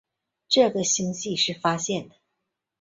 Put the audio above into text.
这个星系是发现的。